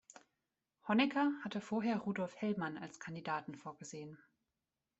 Honecker hatte vorher Rudolf Hellmann als Kandidaten vorgesehen.